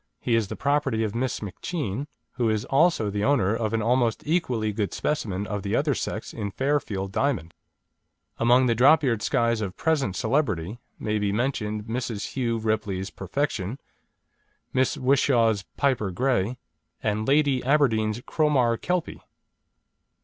He is the property of Miss McCheane, who is also the owner of an almost equally good specimen of the other sex in Fairfield Diamond. Among the drop eared Skyes of present celebrity may be mentioned Mrs. Hugh Ripley's Perfection, Miss Whishaw's Piper Grey, and Lady Aberdeen's Cromar Kelpie.